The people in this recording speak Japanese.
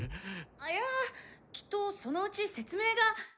いやきっとそのうち説明が。